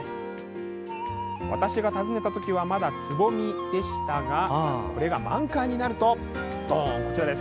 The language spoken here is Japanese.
私が訪ねたときはまだつぼみでしたがこれが満開になると。